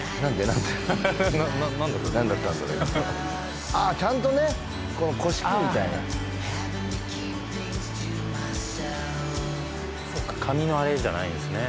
何だったんだろう何だったんだろうあっちゃんとねこし器みたいなそうか紙のあれじゃないんですね